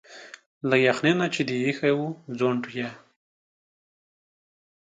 له يخني نه چي دي ا يښي وو ځونډ يه